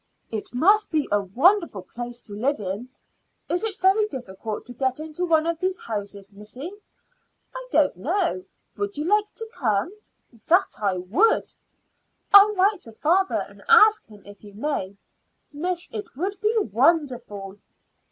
"It must be a wonderful place to live in. Is it very difficult to get into one of these houses, missy?" "I don't know. Would you like to come?" "That I would." "I'll write to father and ask him if you may." "Miss, it would be wonderful."